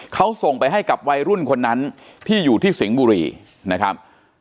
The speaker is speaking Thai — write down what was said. เขาส่งไปให้กับวัยรุ่นคนนั้นที่อยู่ที่สิงห์บุรีนะครับ